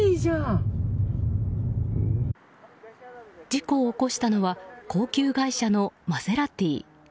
事故を起こしたのは高級外車のマセラティ。